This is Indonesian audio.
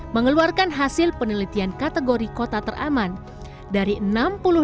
mengeluarkan hasil penelitian kategori kota madinah